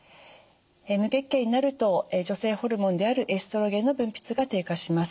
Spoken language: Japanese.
無月経になると女性ホルモンであるエストロゲンの分泌が低下します。